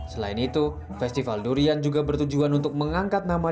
selain itu festival durian juga bertujuan untuk mengangkat nama